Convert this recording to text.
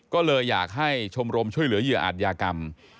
ก็เลยอยากให้ชมรมช่วยเหลือเหยื่ออาจยากรรม